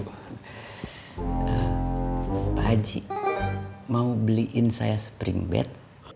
pak haji mau beliin saya spring bed